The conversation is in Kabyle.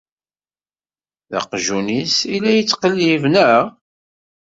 D aqjun-is i la yettqellib, naɣ?